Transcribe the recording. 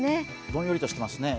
どんよりとしてますね